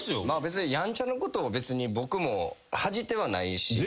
まあやんちゃなことを別に僕も恥じてはないし。